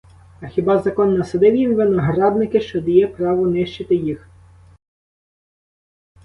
А хіба закон насадив їм виноградники, що дає право нищити їх?